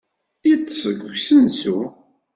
Yeṭṭes deg usensu.